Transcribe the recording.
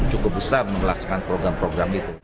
cukup besar melaksanakan program program itu